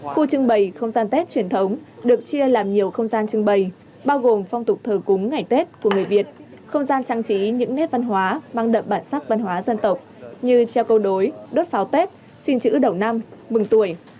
khu trưng bày không gian tết truyền thống được chia làm nhiều không gian trưng bày bao gồm phong tục thờ cúng ngày tết của người việt không gian trang trí những nét văn hóa mang đậm bản sắc văn hóa dân tộc như treo câu đối đốt pháo tết xin chữ đầu năm mừng tuổi